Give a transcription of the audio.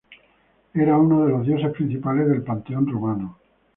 Era uno de los dioses principales del panteón romano.